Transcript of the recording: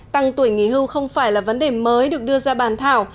tăng tuổi nghỉ hưu không phải là vấn đề mới được đưa ra bàn thảo